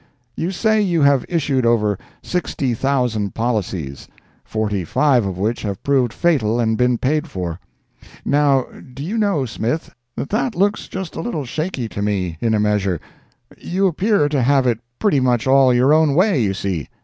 You say you have issued over sixty thousand policies, "forty five of which have proved fatal and been paid for." Now, do you know, Smith, that that looks just a little shaky to me, in a measure? You appear to have it pretty much all your own way, you see.